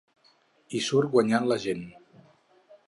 Hi surt guanyant la gent.